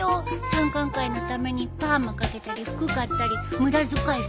参観会のためにパーマかけたり服買ったり無駄遣いするよ。